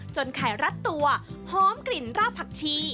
ไข่รัดตัวหอมกลิ่นราบผักชี